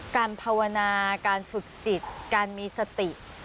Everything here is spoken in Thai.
ภาวนาการฝึกจิตการมีสติ